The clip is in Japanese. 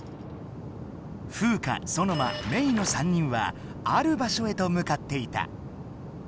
フウカ・ソノマ・メイの３人はある場所へと向かっていた。